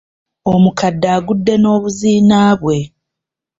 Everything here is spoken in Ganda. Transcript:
Omukadde agudde n’obuziina bwe.